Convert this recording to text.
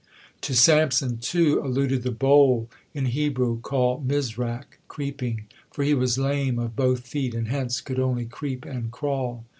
To Samson, too, alluded the bowl, in Hebrew called Mizrak, "creeping," for he was lame of both feet, and hence could only creep and crawl.